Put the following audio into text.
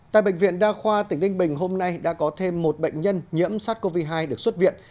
tại bệnh viện đa khoa tỉnh đinh bình hôm nay đã có thêm một bệnh nhân nhiễm sars cov hai được xuất viện